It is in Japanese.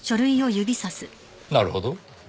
なるほど。